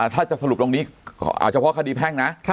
ถ้าจะสรุปตรงนี้เฉพาะคดีแพ่งนะ